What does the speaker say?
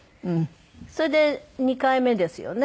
それで２回目ですよね。